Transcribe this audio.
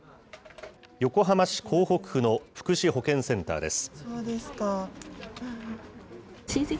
横浜市港北区の福祉保健センターです。